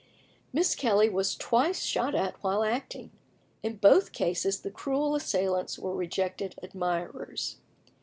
Miss Kelly was twice shot at while acting. In both cases the cruel assailants were rejected admirers.